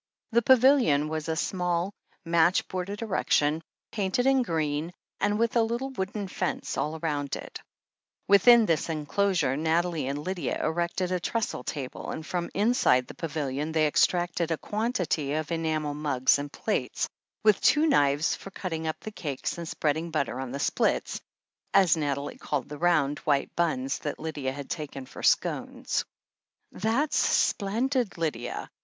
The pavilion was a small, match boarded erection, painted in green, and with a little wooden fence all rotmd it Within this enclosure, Nathalie and Lydia erected a trestle table, and from inside the pavilion they extracted a quantity of enamel mugs and plates, with THE HEEL OF ACHILLES 275 two knives for cutting up the cake and spreading butter on the splits, as Nathalie called the round, white buns that Lydia had taken for scones. "That's splendid, Lydia!